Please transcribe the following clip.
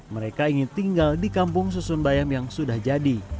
mereka ingin tinggal di kampung susun bayam yang sudah jadi